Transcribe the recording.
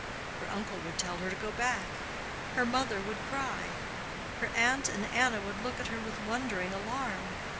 Her uncle would tell her to go back. Her mother would cry. Her aunt and Anna would look at her with wondering alarm.